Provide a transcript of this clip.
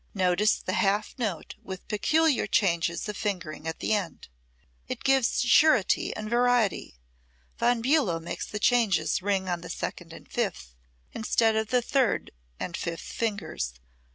Notice the half note with peculiar changes of fingering at the end. It gives surety and variety. Von Bulow makes the changes ring on the second and fifth, instead of third and fifth, fingers.